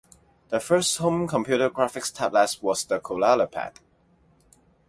The first home computer graphic tablet was the KoalaPad.